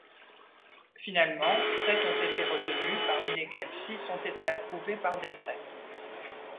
Finalement, sept ont été retenues, parmi lesquelles six ont été approuvées par décret.